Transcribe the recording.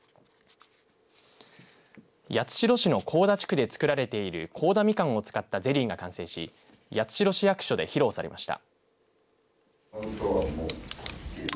八代市の高田地区で作られている高田みかんを使ったゼリーが完成し八代市役所で披露されました。